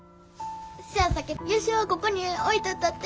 せやさけヨシヲはここに置いといたって。